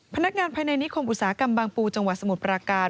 พนักงานภายในนิคมอุตสาหกรรมบางปูจังหวัดสมุทรปราการ